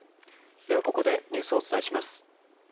ではここでニュースをお伝えします。